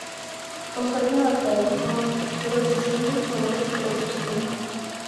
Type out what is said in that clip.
Po sedmi letech ho pro duševní chorobu propustili.